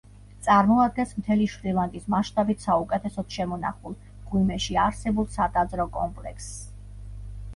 წარმოადგენს მთელი შრი-ლანკის მასშტაბით საუკეთესოდ შემონახულ, მღვიმეში არსებულ სატაძრო კომპლექსს.